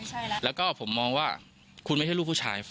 ใช่แล้วแล้วก็ผมมองว่าคุณไม่ใช่ลูกผู้ชาย